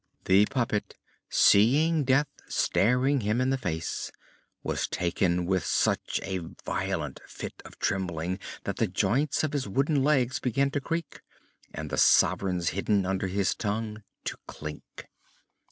The puppet, seeing death staring him in the face, was taken with such a violent fit of trembling that the joints of his wooden legs began to creak, and the sovereigns hidden under his tongue to clink.